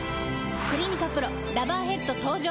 「クリニカＰＲＯラバーヘッド」登場！